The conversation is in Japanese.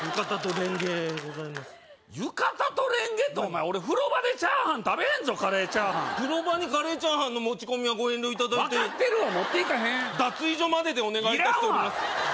浴衣とレンゲってお前俺風呂場でチャーハン食べへんぞカレーチャーハン風呂場にカレーチャーハンの持ち込みはご遠慮いただいて分かってるわ持っていかへん脱衣所まででお願いしておりますいらんわ！